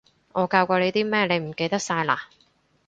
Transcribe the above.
我教過你啲咩，你唔記得晒嘞？